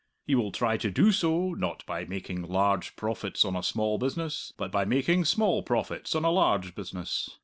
He will try to do so, not by making large profits on a small business, but by making small profits on a large business.